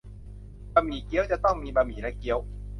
บะหมี่เกี๊ยวจะต้องมีบะหมี่และเกี๊ยว